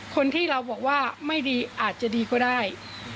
คนที่เราบอกว่าไม่ดีอาจจะดีก็ได้